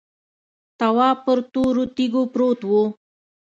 تواب پر تورو تیږو پروت و.